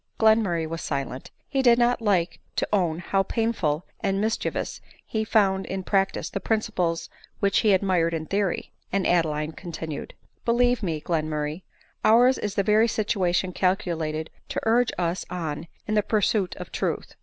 . Glenmurray was silent. He did not like to own how painful and mischievous he found in practice the princi ples which he admired in theory — and Adeline continued :" Believe me, Glenmurray, ours is the very situation calculated to urge us on in the pursuit of truth.